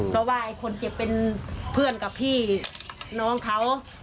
ก็ว่าคนเกียจเป็นเพื่อนกับพี่น้องเค้า